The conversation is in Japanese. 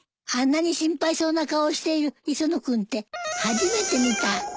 あんなに心配そうな顔をしている磯野君って初めて見た。